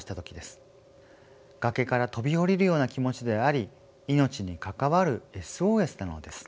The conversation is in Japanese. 崖から飛び降りるような気持ちであり命に関わるＳＯＳなのです。